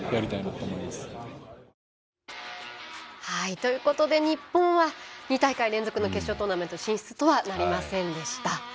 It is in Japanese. ということで日本は２大会連続の決勝トーナメント進出とはなりませんでした。